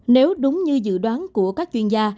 nếu đúng như dự đoán của các chuyên gia